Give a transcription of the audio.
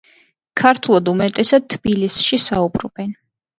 ქართულად უმეტესად თბილიში საუბრობენ.